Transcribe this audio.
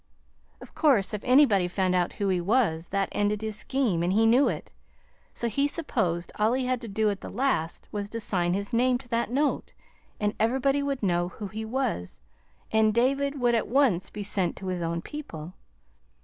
Of course, if anybody found out who he was, that ended his scheme, and he knew it. So he supposed all he had to do at the last was to sign his name to that note, and everybody would know who he was, and David would at once be sent to his own people.